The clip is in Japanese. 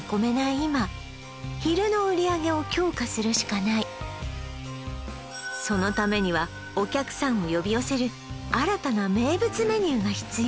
今昼の売上を強化するしかないそのためにはお客さんを呼び寄せる新たな名物メニューが必要